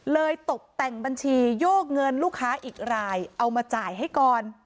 ตกแต่งบัญชีโยกเงินลูกค้าอีกรายเอามาจ่ายให้ก่อน